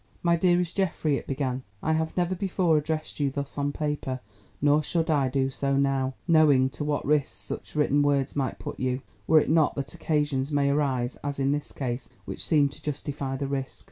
"My dearest Geoffrey," it began, "I have never before addressed you thus on paper, nor should I do so now, knowing to what risks such written words might put you, were it not that occasions may arise (as in this case) which seem to justify the risk.